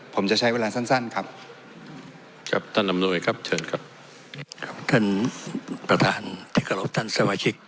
ผมจะใช้เวลาสั้นสั้นครับครับต้นอำนวยครับเชิญครับครับ